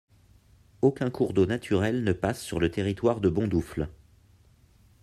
Aucun cours d'eau naturel ne passe sur le territoire de Bondoufle.